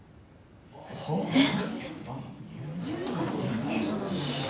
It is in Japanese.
えっ？